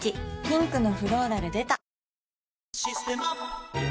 ピンクのフローラル出た「システマ」